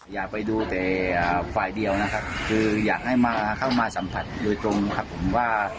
อยากไปดูแต่ฝ่ายเดียวนะครับคืออยากให้มาเข้ามาสัมผัสโดยตรงครับผมว่า